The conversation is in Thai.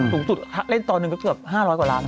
สูงสุดเล่นตอนหนึ่งก็เกือบ๕๐๐กว่าล้าน